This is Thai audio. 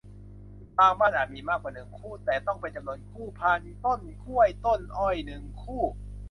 บางบ้านอาจมีมากกว่า หนึ่ง คู่ แต่ต้องเป็นจำนวนคู่ พานต้นกล้วยต้นอ้อย หนึ่ง คู่